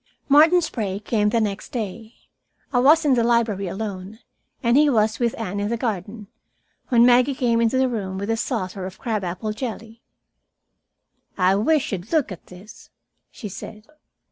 Martin Sprague came the next day. I was in the library alone, and he was with Anne in the garden, when Maggie came into the room with a saucer of crab apple jelly. "I wish you'd look at this," she said.